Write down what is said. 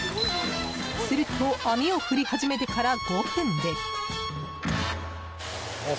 すると網を振り始めてから５分で。